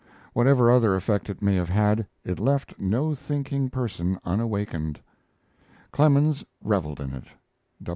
Whatever other effect it may have had, it left no thinking person unawakened. Clemens reveled in it.